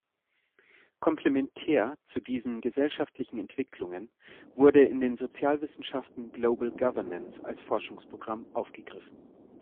Komplementär zu diesen gesellschaftlichen Entwicklungen wurde in den Sozialwissenschaften Global governance als Forschungsprogramm aufgegriffen.